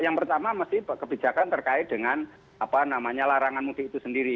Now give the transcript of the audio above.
ya yang pertama masih kebijakan terkait dengan apa namanya larangan mudik itu sendiri